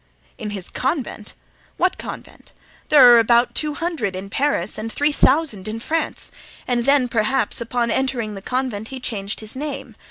"In his convent! What convent? There are about two hundred in Paris and three thousand in France; and then, perhaps, on entering the convent he changed his name.